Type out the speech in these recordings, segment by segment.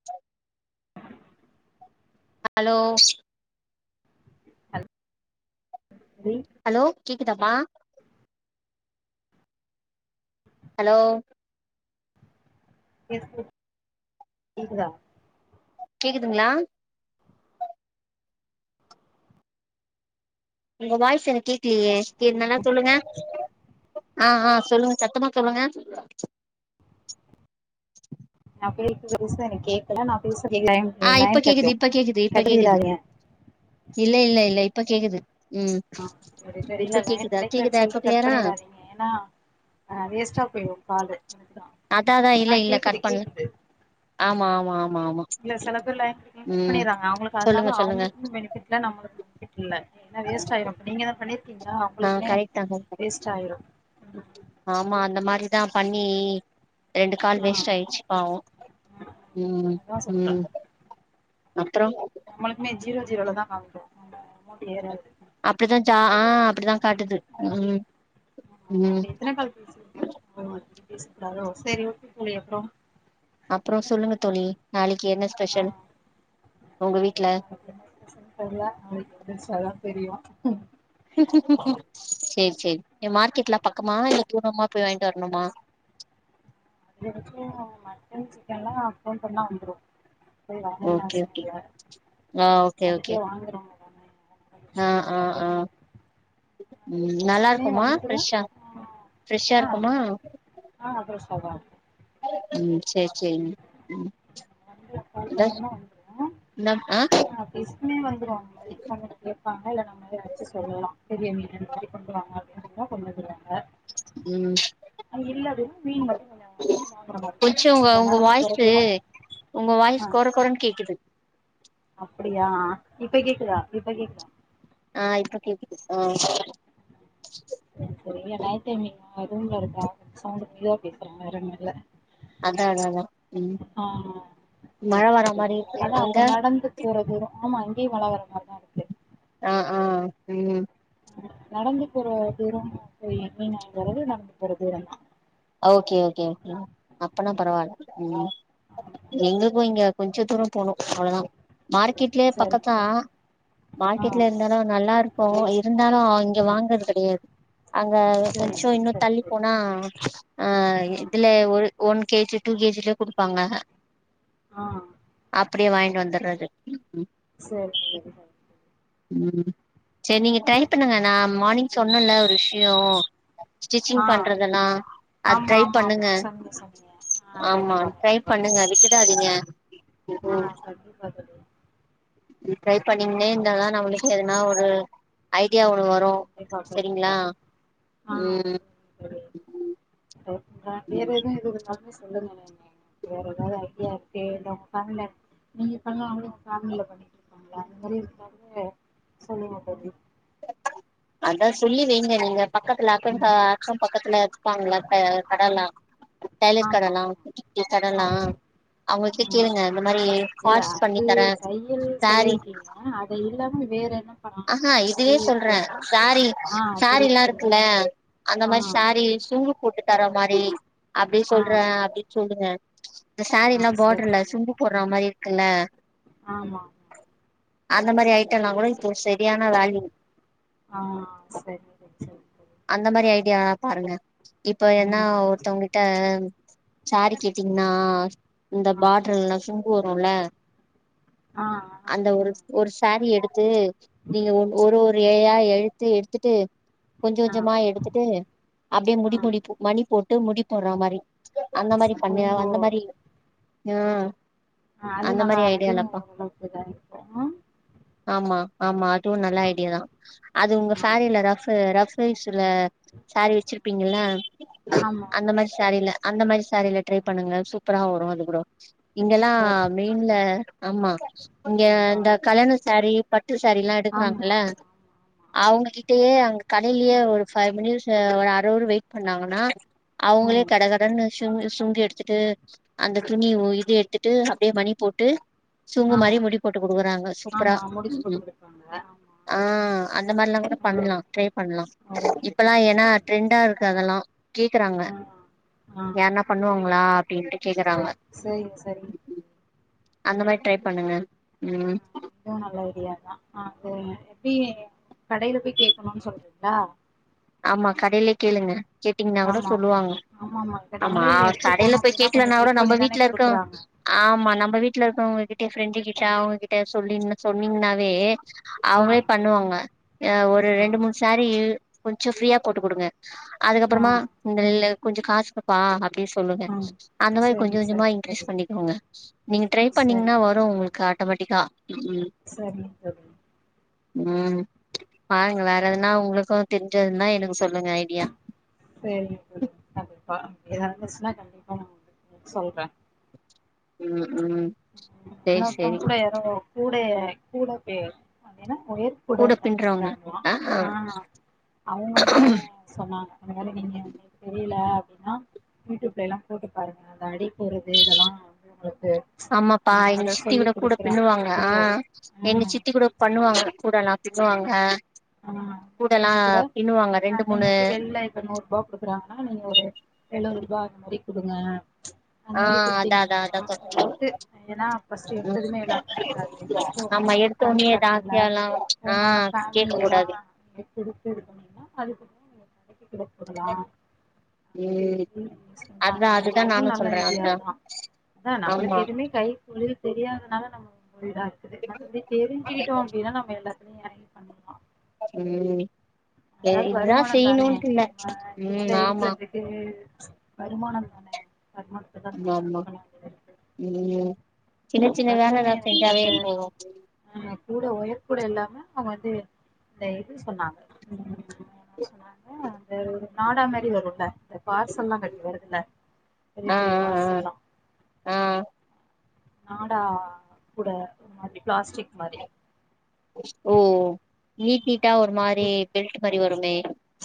சேரி hello hello தோழி hello கேக்குதாப்பா ஹலோ எஸ்மி கேக்குதா கேக்குதுங்க்ளா உங்க வாய்ஸ் எனக் கேக்லியே என்னலா சொல்லுங்க ஆஹ் ஆஹ் சொல்லுங்க சத்தமா சொல்லுங்க நா பேச்றதுச்சா எனக் கேக்கல நா பேஸ் ஆஹ் இப்ப கேக்குது இப்ப கேக்குது இப்ப கேக்குது பண்ணிறாதீங்க இல்ல இல்ல இல்ல இப்ப கேக்குது உம் ஆ சரி சரி இப்ப இல்ல லைன் கேக்குதா கெடைக்கலன்னு கேக்குதா இப்ப சொல்லிட்டு கட் க்ளியரா பண்ணிறாதீங்க ஏன்னா ஆ வேஸ்ட்டா போயிரு காலு அதுக்குதா அதாதா ஆ இல்ல இல்ல கேக்குது கட் பண்ணு கேக்குது ஆமா ஆமா ஆமா ஆமா இல்ல சில பேர் லைன் கெடைக்கலன்னா ம் பண்ணிடுறாங்க அவங்களுக்கு அதனால சொல்லுங்க சொல்லுங்க அவங்களுக்குமே பெனிஃபிட் இல்ல நம்மளுக்கு பெனஃபிட் இல்ல என்ன வேஸ்ட் ஆயுடு இப்ப நீங்க தா பண்ணி ஆஹ் கரெக்ட் தா கரெக்தா ஆயிரு ஆமா அந்த மாரி தா பண்ணி ரெண்டு கால் ஆ வேஸ்ட் ஆயிடுச்சி பாவ ம் அதா ம் சொல்றே ம் ஆ நம்மளுக்குமே ஜீரோ ஜீரோ தா காமிக்குது அந்த அமௌன்ட் ஏறாது அப்டிதா ச்சா ஆ அப்டி தா காட்டுது ம் ம் இப்ப எத்தன கால் பேசிருக்கோ பேசக்கூடாதோ சேரி ஓகே தோழி அப்ற அப்ற சொல்லுங்க தோழி நாளைக்கி என்ன ஆ ஸ்பெஷல் உங்க வீட்ல நாளைக்கு என்ன ஸ்பெஷல்னு தெர்ல நாளைக்கு எந்திரிச்சாதா தெரியு சேரி சேரி இங்க மார்க்கெட்லா பக்கமா இல்ல தூரமா போய் வாங்கிட்டு வரணுமா அதிகபட்சோ மட்டன் சிக்கன்லா ஃபோன் பண்ணா வந்துரும் ஓகே ஓகே ஆ [unintelligible] ஓகே ஓகே அதுக்கே வாங்குறவங்க தானே ஆ விஷயம் ஆ கிடையாது ஆ ம் நல்லா சிக்கனே இருக்குமா வந்துரு ப்ரெஷ்ஷா ஆ ஃப்ரெஷ்ஷாருக்குமா தா இருக்கு ம் சேர் செரிங்க ம் வந்து [unintelligible] கால் பண்ணோம்னா வந்துரு இந்த ஆ பிஸ்மே வந்துரும் அந்த மாரி கொண்டுட்டு கேப்பாங்க இல்ல நம்மளே அடிச்சு சொல்லலா பெரிய மீன்னு இந்த மாரி கொண்டுவாங்க அப்டின்னு சொல்லிருந்தா கொண்டுவந்துருவாங்க ம் அது இல்ல அப்டின்னா மீன் மட் கொஞ்சோ உங்க உங்க நடந்து போற வாய்ஸு தூரோ உங்க ஆ வாய்ஸ் குற குறன்னு கேக்குது அப்டியா இப்ப கேக்குதா இப்ப கேக்குதா ஆ இப்ப கேக்குது ஆ செரி செரிங்க நைட் டைம் [unintelligible] ரூம்ல இருக்கே கொஞ்சோ சவுண்ட் மெதுவா பேசுற வேற ஒன்னுயில்ல அதா அதா அதா ம் சரி மழ வரா சரி மாரி இருக்கு அதா அங்க இப்ப நடந்து போற தூரோ ஆமா இங்கயு மழ வர மாரிதா இருக்கு ஆ ஆ ம் நடந்து போற தூர போய் [unintelligible] மீன் வாங்கிட்டு வரது நடந்து போற தூர தா ஓகே ஓகே அப்பன்னா அப்பன்னா பரவால்ல ம் ஆமா எங்களுக்கு இங்க கொஞ்ச தூர போணு அவ்ளோ தா மார்க்கெட்லியே பக்க சரிங்க தோழி தான் ஆ மார்க்கெட்ல இருந்தாலு நல்லா இருக்கு ஒ [unintelligible] இருந்தாலு இங்க ம் வாங்கறது கெடையாது அங்க கொஞ்சோ சரிங்க இன்னு சரிங்க தள்ளி தோழி போனா ஆ இதுலே ஒரு one K G two K ஜிலயு குடுப்பாங்க ஆஹ் அப்டியே வாய்ன்ட்டு வந்தர்றது சேரிங்க தோழி உம் சேர் நீங்க ட்ரை பண்ணுங்க நா மார்னிங் சொன்னல்ல ஒரு விஷ்யோ ஸ்டிச்சிங் ஆ பண்றதெல்லா அது ஆமா ட்ரை ஆமா ஆமா பண்ணுங்க சொன்னீங்க சொன்னீங்க ஆ ஆமா ட்ரை பண்ணுங்க விட்டுடாதீங்க ஆஹ் கண்டிப்பா தோழி இது ட்ரை பண்ணிங்னேனு இதெல்லா நம்மளுக்கு எதுனா ஒரு ஐடியா ஒன்னு வர் கண்டிப்பா கண்டிப்பா ஆஹ் ம் செரிங்க தோழி அஹ் ஆஹ் வேற ம் ஏது இது இருந்தாலு சொல்லுங்க என்னன்னாலு வேற எதாவ்து ஐடியா இருக்குந்தா ஃபாம்ல நீங்க தனியா அவ்ங்ளுக்கு ஃபார்முல பண்ணிக்குடுப்பாங்ளா ஒரே ஒரு தடவ சொல்லுங்க தோழி அதா சொல்லி வைங்க நீங்க பக்கத்துல அக்கம் ம் பா அக்கம் பக்கத்துல வச்சிபாங்ள க கடல்லா டைலர் ஆமா கடலா ஆமா இப்டி கடலா ஆமா அவ்ங்ககிட்ட ஆ கேளுங்க இந்த மாரி இல்ல ஃபால்ஸ் பண்ணி அது தரே தையல் சாரி சொல்லியிருக்கீங்க அத இல்லாம வேற என்ன பண்ணலா ஆஹ்ஹ அப்டிங்கிற இதுயே மாரி சொல்றே தெர்ல சாரி ஆ புரியுது சாரிலா புரியுது இருக்குல அந்த ஆ மாரி சாரி சுங்கு போட்டு தர மாரி அப்டி ஆ சொல்றே அப்டின் சொல்லுங்க இந்த ஆ சாரிலா சரி பார்ட்ருல சரி சுங்கு போட்றா மாரி கில்ல ஆமா அந்த மாரி ஐட்டலா கூட இது செரியான வேல்யூ ஆஹ் செரிங்க தோழி செரிங்க தோழி யா பாருங்க இப்ப என்னா சரி. ஒருத்தவ்ங்கிட்ட சாரி கேட்டீங்னா இந்த ஆ பார்டர்லநாச்சு பீரோல்ல ஆ ஆ அந்த ஒரு ஒரு சாரி எ ச்சு நீங்க ஒன் ஒரு ஆ ஒரு ஏயா எழுத்து எடுத்துட்டு கொஞ்ச ஆ ஆ கொஞ்சமா எடுத்துட்டு அப்டியே முடி ஆ முடிப்பு மணிப் போ ட்டு முடி போட்ற மாரி அந்த மாரி பண்ணு அந்த மாரி யா ஆஹ் அது நல்லா அதுவு ஓரளவுக்கு இதா இருக்கு ஆமா ஆமா அதுவு நல்ல ஐடியா தா அது உங்க ஆ சேரில ரஃப்பு ரஸ் சைஸ்ஸுல சேரி வச்சிருப்பிங்கள ஆமா அந்த ஆமா மாரி சேரில அந்த மாரி சேரில ட்ரை பண்ணங்களெ சூப்பரா வரு அது கூட இங்கெலா சரி மெயின்ல ஆமா இங்க ஆ இந்த கல்யாணொ சேரி ட்டு சேரி எலா ஆமா ஆமா எடுக்கறாங்கல ஆமா ஆமா ஆ அவங்ககிட்டயே அங்க கடையிலயே ஒரு ஃபைவ் மினிட்ஸ் ஒரு அறுபறு வெயிட் பண்ணாங்கனா அவங்களே ம் கட கடன்னு சு சுங்கு எடுத்துட்டு அந்த துணி உ இது எடுத்துட்டு அப்டியே மணிப்போட்டு சுங்கு ஆமா மாரி முடி போட்டு குடுக்குறாங்க சூப்பரா ஆமா முடிச்சு போட்டு குடுப்பாங்க ஆஹ் அந்த மாரில்லாங்கூட ஆ பண்லா ட்ரை பண்லா இப்பல்லா ஏன்னா ட்ரெண்டா இருக்கா எல்லா கேக்குறாங்க ஆ ஆமா சரிங்க ஆ ஆ யார்னா பண்ணுவாங்களா டீன்ட்டு ஆ கேக்கறாங்க சரிங்க சரிங்க அந்த மாரி ட்ரை பண்ணுங்க உம் ஆ இப்பயே கடையில பொய் கேட்கணுன் சொல்றிங்ளா ஆமா கடையிலே கேளுங்க கேட்டிங்கனா கூட ஆமா ஆமா சொல்லுவாங்க ஆமா இப்ப ஆமா நம்மளே இத எடுக்க கடைல போனோ பொய் அப்டின்னா கொஞ்சோ கேட்லனா கூட வெயிட் நம்ம பண்ணிதானே வீட்ல இருக்கா குடுக்குறாங்க ஆமா நம்ம வீட்ல இருக்கவங்ககிட்ட ஃப்ரெண்டு கிட் க அவங்ககிட்ட சொல்லின்னு சொன்னிங்னாவே ஆ அவங்களே பண்ணுவாங்க ய ஒரு ஆ ரெண்டு மூண் சேரி கொஞ்சொ ஃப்ரீயா போட்டு குடுங்க ஆ அதுக்கப்பறமா டெல்லு கொஞ்சொ காசுகப்பா அப்டி சொல்லுங்க ஆ அந்த மாரி கொஞ்சொ சரிங்க கொஞ்சமா சரிங்க இன்க்ரீஸ் தோழி பண்ணிக்கோங்க நீங்க ட்ரை பண்ணிங்ன்னா சரிங்க வரு உங்ளுக்கு ஆட்டோமேட்டிக்கா சரிங்க தோழி உம் பாருங்க வேற எதனா உங்ளுக்கு தெரிஞ்சதுன்னா எனக்கு சொல் சரிங்க கண்டிப்பா [unintelligible] சொன்னா கண்டிப்பா நா [unintelligible] சொல்றேன் உம் உம் இன்னொருத்தங் கூட யாரோ [unintelligible] அ கூட பே [unintelligible] ஒயர்கூட அனுப்பிச்சாங்களா ஆ அவுங்களுமே சொன்னாங்க அந்த வேல நீங்க புரியல அப்டின்னா யூடியூப்ல எல்லாம் போட்டு பாருங்க அந்த அடி போறது இதெல்லாம் வ உங்களுக்கு சரி ப்ச் அ எங்க சித்தி கூட கூட பின்னுவாங்க ஆஹ் எங்க சித்தி கூட பண்ணுவாங்க கூடெல்லாம் ஆஹ் பண்ணி கூட பின்னுவாங்க ரெண்டு ஆஹ் நீங்க மூணு வந்து வெளில இப்ப நூறு ரூபாய் குடுக்குறாங்கன்னா நீங்க ஒரு எழுபது ரூபாய் அந்த மாரி குடுங்க ப்ச் அந்த ஆ மாரி அதா அதா குடுத்தீங்கன்னா அதா சொல்ற ஓரளவுக்கு ஏன்னா பர்ஸ்ட் ம் எடுத்ததுமே எல்லாருக்கும் வந்துராது ஃபர்ஸ்ட் உங்க ஆமா ஃப்ரெண்டு எடுத்தோனே இது சர்க்கிள்அ ஆசையால்லா ஆ உங்க கேக்க ஃபேமிலிலயெலாம் கூடாது [unintelligible] அது டலாம் ம் அ அதா சொன்னாங்க அதுதா அதுவும் நானு நல்ல சொல்ற ஐடியா அதா தான் அதான் ஆமா நம்மளுக்கு எதுவுமே கைதொழில் தெரியாதனால நம்ம [unintelligible] இருக்குது மத்தபடி தெரிஞ்சுகிட்டோம் அப்டின்னா நம்ம எல்லா [unintelligible] யாகிபண்லாம் உம் அதாவது வருமானம் தானே நம்ம ம் வீட்டுல ஆமா இருக்கிறதுக்கு வருமானம் தானே வருமானத்த தான ஆமா நம்ம இது ஆமா பண்ண வேண்டியது இருக்கு உம் சின்ன சின்ன வேலதான் அதுவுமே எதாவது எனக்கு செஞ்சாவே அந்த போதும் ஆ கூட ஒயர் கூடஎல்லாமே அவங்க வந்து இந்த இது சொன்னாங்க சொன்னாங்க அந்த நாடா மாரி வருல பார்சல்லாம் கட்டி வருதுல பெரிய ஆ பெரிய ஆ பார்சல்லாம் ஆ ஆ நாடா கூட மாதிரி பிளாஸ்டிக் மாரி ஓ நீட் நீட்டா ஒரு மாரி பெல்ட் பரிவறுமே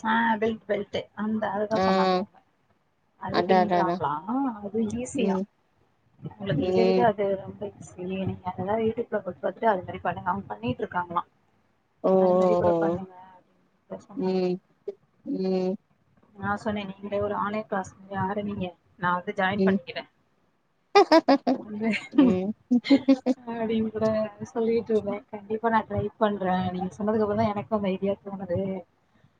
ஆ பெல்ட் பெல்ட் அந்த அததா ஆ சொன்னாங்க அவுங்க அது அதா அதா அதா பின்றாங்ளா அது ஈஸியா ம் உங்களுக்கு இத விட ம் அது ரொம்ப செரி நீங்க எனதாது யூடியூப்ல போட்டு பாத்துட்டு அது மாரி பண்ணுங்க அவுங்க பண்ணீட்ருக்காங்களா ஓ அது மாரி ஓ கூட ஓ பண்ணுங்க அப்டின்னு கூட சொன்னாங்க ம் ம் நா சொன்னே நீங்களே ஒரு ஆன்லைன் கிளாஸ் மாரி ஆரம்பிங்க நா வந்து ஜாயின் ம் பண்ணிக்கிறே வந்து ம் அப்டீன் கூட சொல்லிட்ருந்தே கண்டிப்பா நா ட்ரை பண்றே நீங்க சொன்னதுக்கப்பறொதா எனக்கு அந்த ஐடியா தோணுது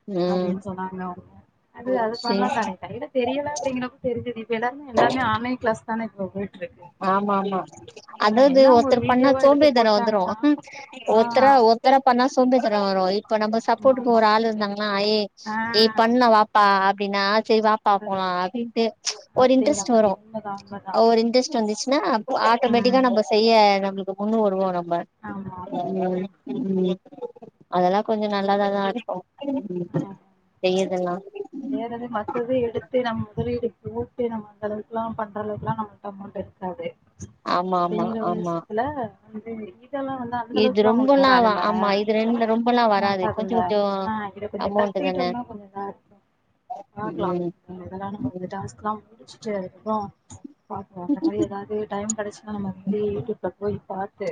ம் அப்டீன் சொன்னாங்க அவுங்க அது அது சேரி பண்லாந்தானே கைல தெரியல அப்டிங்கிறப்ப தெரி்ஞ்சது இப்ப எல்லாருமே எல்லாமே ஆன்லைன் கிளாஸ் தானே போகு ஆமா ஆமா அதாது எல்லா ஒரு ஒருத்தர் பண்ணா வீடியோவா எடுத்து சோம்பேறி தனோ வந்துரு போட்டாங்கன்னா ஆ ஒருத்தர ஒருத்தரா பண்ணா சோம்பேதனொ வரு ஐ இப்பொ நம்ம ஆமா சப்போட்டுக்கு ஆமா ஒரு ஆள் இருந்தாங்கனா ஏ ஆ ஏய் பண்லா வாப்பா அப்டினா செரி வாப்பா அது போலா அப்டின்ட்டு ஒரு அப்டிங்கிற இன்ட்ரெஸ்ட் மாரி வரு உண்மதா உண்மதா ஒரு இன்ட்ரெஸ்ட் வந்துச்சுனா ஆட்டோமேட்டிக்கா ம் நம்ம செய்ய நம்ளுக்கு ஒன்னு வருவானம் பட் ஆமா ஆமா ஆமா ம் ம் அதெல்லா கொஞ்சோ நல்லதாதா இருக்கு செய்யதுன்னா வேறது மத்தது எடுத்து நம் முதலீடு போட்டு நம்ம அந்த அளவுக்ல்லா பண்றளவுக்லா நம்மட்ட அமௌண்ட் இருக்காது ஆமா ஆமா அப்டிங்கற ஆமா விஷ்த்துல இது ஈத் இதெல்லா வந்து அந்த இது அளவுக்லா உங்ளுக்கு ரொம்பல்லா வ வராதுல்ல ஆமா இது ரெண்டு ரொம்பல்லா வராது கொஞ்சோ ஆகாதுல்ல கொஞ்சோ ஆ இத கொஞ்சொ அமௌண்ட் கத்துக்கிட்டு தான வந்தா கொஞ்சொ இதாருக்கு பாக்கலா ம் இதெல்லா நம்ம வந்து ம் டாஸ்க்லா முடிச்சிட்டுஇருக்கோ பாக்கலா அந்த மாரி எதாது டைம் கிடச்சின்னா நம்ம அது மாரி யூடியூப்ல போய் பாத்து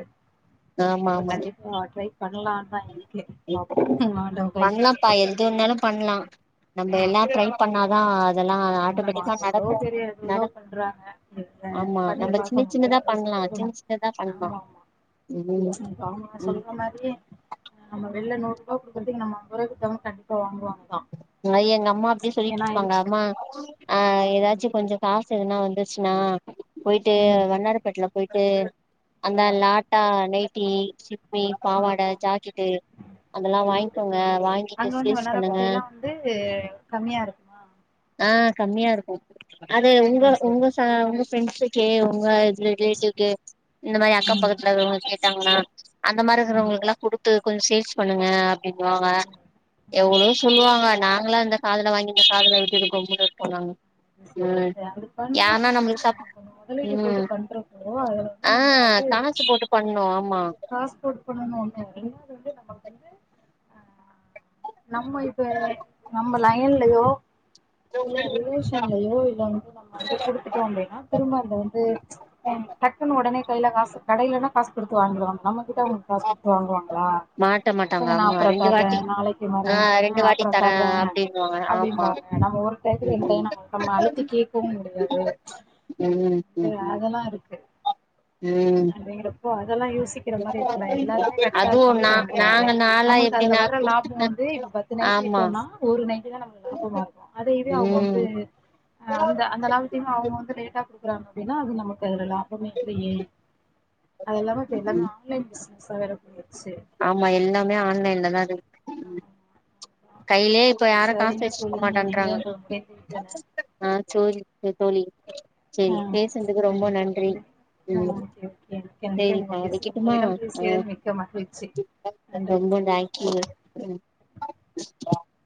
ஆமா ஆமா கண்டிப்பா ட்ரை பண்ணலான் தா இருக்கே பாப்பொ ஆண்டவ பண்லாம்ப்பா கைகுடுக்கட்டு எது வேணாலு பண்லா நம்ம எல்லா ட்ரை பண்ணா ஆ ஆமா எவ்ளோ பேரு ஏதெதோ நட பண்றாங்க ஆமா பண்ணி நம்ம சின்ன பாக்கணு ட்ரை சின்னதா பண்ணி பண்லா பாக்கணு சின்ன சின்னதா பண்லா ஆமாம்மா ம் ஆமா ம் சொல்ற மாரியே ஆமா வெள்ல நூறுபா குடுக்கறதுக்கு நம்ம அம்பதுருபாய்க்கு குடுத்தாலு கண்டிப்பா வாங்குவாங் மை எங்கம்மா அப்டி இது சொல்லிட்ருப்பாங்க அம்மா ஆஹ் ஏதாச்சு கொஞ்சொ காசு எதுனா வந்துச்னா பொயிட்டு ம் வண்ணாரபேட்ல பொயிட்டு அந்த லாட்டா நைட்டீ வி ஆ பாவாட ஜாக்கெட்டு அதெல்லா ஆ வாய்ங்க்கோங்க வாங்கிட்டு அங்க வந்து சேஸ் பண்ணுங்க வண்ணாரப்பேட்டைல்லா வந்து கம்மியா இருக்குமா ஆஹ் கம்மியாருக்கு அது உங்க உங்கசா உ ஃபெண்ட்ஸுக்கே உங்க லெடீஸுக்கு இந்த மாரி ஆ அக்கம் பக்கத்துலருக்கவங்களுக்கு தாங்கனா அந்த ஆ மாரிருக்றவங்களுக்குலா குடுத்து கொஞ்சொ சேல்ஸ் பண்ணுங்க இக்கோவ ஆ எவ்வளோ ப நாங்களா இந்த காதுல வாங்கி இந்த காதுல விட்டுருக்கோ கூட்டுட்டு போனாங்க செரி ச அது பண்லா நம்மளுக்கு சப் நம்ம கொஞ்சொ மொதலீடு ம் போட்டு பண்றப்போ அதுல ஆ வந்து நம்மள்க் வந்து கணக்கு போட்டு அ பண்ணோ ஆமா காஸ் போட்டு பண்ணணு ஒன்னு ரெண்டாவது வந்து நமக் வந்து அ நம்ம இப்ப நம்ம லயன்லயோ இல்ல ரிவைஸ் கன்லையோ இல்ல வந்து நம்ம வந்து குடுத்துட்டோ அப்டினா திரும்ப இந்த வந்து டக்குனு உடனே கையில காசு கடைலனா காசு குடுத்து வாங்கலாம் நம்ம கிட்ட அவங்க காசு குடுத்து வாங்குவாங்க லா மாட்ட மாட்டாங்க கொஞ்சொ நா ஆமா அப்றொ ரெண்டு தர்றே வாட்டி நாளைக்கு ஆ வர்ரே ரெண்டு ஆஹ் வாட்டி அப்றொ தரே தர்றே அப்டின்னுவாங்க ஆமா அப்டிம்பாங்க நம்ம ஒரு டைத்துக்கு ரெண்டு டையொ ம் நம்ம அழுத்தி கேக்கவு முடியாது த அதெல்லாருக் உம் பாத் அதெல்லா யோசிக்ற மாரி இருக்கு நா எல்லாருமே கரெக்டா அதுவு இருப்பாங்க நா சொல்ல முடியாது நாங்க நாலா நம்மளுக்கு அதுல எப்டின்னா வர குடுத் லாபொ வந்து இப்ப பத்து நைட்டி ஆமா வித்தோனா ஒரு நைட்டிதா நம்ளுக்கு லாபமாருக்கு அதயிதயு அவுங்க வந்து ம் அ அந்த அந்தளாவுத்தினு அவுங்க வந்து லேட்டா குடுக்குறாங்க அப்படின்னா அது நமக்கு அதுலலா பமே இல்லையே அதுல்லாம இப்ப எல்லாமே ஆன்லைன் பிஸ் [unintelligible] ஆமா எல்லாமே ஆன்லைன்லதான் இருக் [unintelligible] கைலயே இப்ப யாரும் காசு சரிங்க வச்சிருக்க தோழி நீங்களே மாட்டன்றாங்க எங்களுக்கு முடிந்து விட்டன ஆஹ ச [unintelligible] தோழி சேரி ஹ் பேசுனதுக்கு ரொம்ப செரி நன்றி ம் ஓகே சரிப்பா ஓகே வைக்கட்டுமா ஆ [unintelligible] மிக்க மகிழ்ச்சி நன்றி ரொம்ப நன்றி [unintelligible] [inaudible]